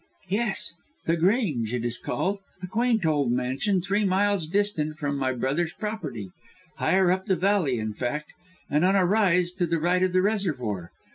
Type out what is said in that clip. "Yes. The Grange, it is called, a quaint old mansion, three miles distant from my brother's property. Higher up the valley, in fact, and on a rise to the right of the reservoir.